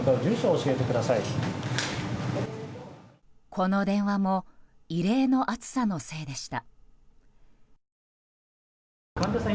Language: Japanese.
この電話も異例の暑さのせいでした。